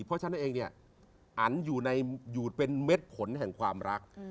เพราะฉะนั้นเองเนี่ยอันอยู่เป็นเม็ดผลแห่งความรัก